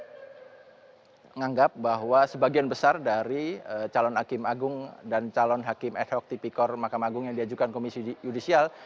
saya menganggap bahwa sebagian besar dari calon hakim agung dan calon hakim ad hoc tipikor makam agung yang diajukan komisi yudisial